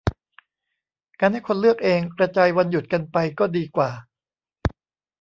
การให้คนเลือกเองกระจายวันหยุดกันไปก็ดีกว่า